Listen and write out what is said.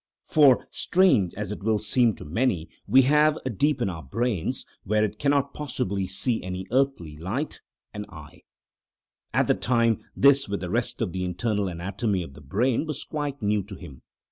For, strange as it will seem to many, we have, deep in our brains—where it cannot possibly see any earthly light—an eye! At the time this, with the rest of the internal anatomy of the brain, was quite new to him.